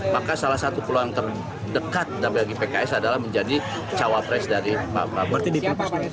maka salah satu peluang terdekat bagi pks adalah menjadi cawapres dari pak prabowo